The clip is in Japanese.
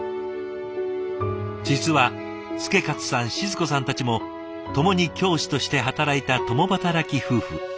実は祐勝さん静子さんたちも共に教師として働いた共働き夫婦。